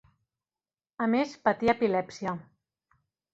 A més, patia epilèpsia.